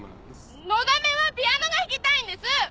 のだめはピアノが弾きたいんです！